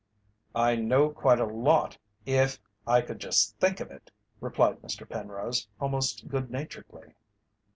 "I know quite a lot, if I could just think of it," replied Mr. Penrose almost good naturedly.